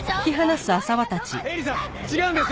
エリさん違うんです！